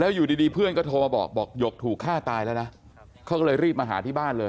อยู่ดีเพื่อนก็โทรมาบอกบอกหยกถูกฆ่าตายแล้วนะเขาก็เลยรีบมาหาที่บ้านเลย